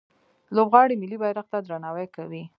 لوبغاړي ملي بیرغ ته درناوی کوي.